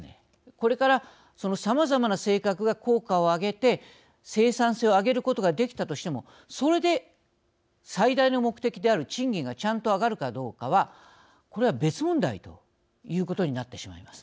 これから、さまざまな政策が効果を上げて生産性を上げることができたとしてもそれで最大の目的である賃金がちゃんと上がるかどうかはこれは別問題ということになってしまいます。